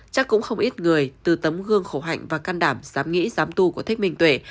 chắc cũng không ít người từ tấm gương khổ hạnh và can đảm giám nghĩ giám tu của thích minh tuệ